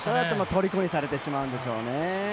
とりこにされてしまうんでしょうね。